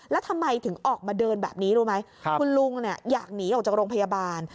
แล้วทำไมถึงออกมาเดินแบบนี้รู้ไหมคุณลุงอยากหนีออกจากโรงพยาบาล